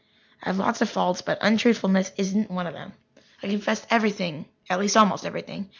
I have lots of faults, but untruthfulness isn't one of them. I confessed everything at least, almost everything.